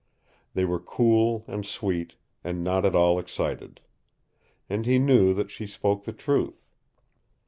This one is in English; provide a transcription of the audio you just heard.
They were cool and sweet and not at all excited. And he knew that she spoke the truth.